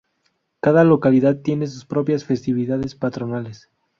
Cada localidad tiene sus propias festividades patronales.